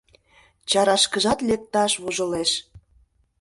Чарашкыжат лекташ вожылеш.